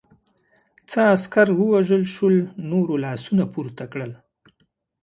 څه عسکر ووژل شول، نورو لاسونه پورته کړل.